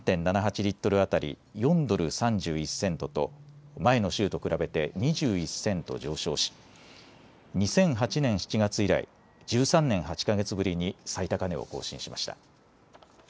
リットル当たり４ドル３１セントと前の週と比べて２１セント上昇し２００８年７月以来、１３年８か月ぶりに最高値を更新しました。